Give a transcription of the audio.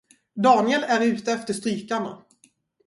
Daniel är ute efter strykarna.